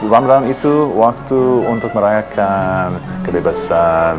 ramlan itu waktu untuk merayakan kebebasan